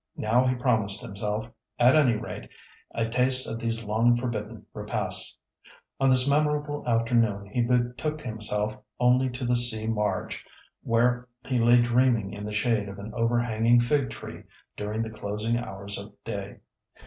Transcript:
Now, he promised himself, at any rate, a taste of these long forbidden repasts. On this memorable afternoon he betook himself only to the sea marge, where he lay dreaming in the shade of an overhanging fig tree during the closing hours of day.